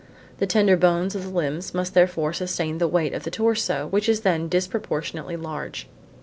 The tender bones of the limbs must therefore sustain the weight of the torso which is then disproportionately large.